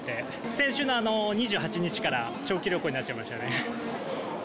先週の２８日から長期旅行になっちゃいましたね。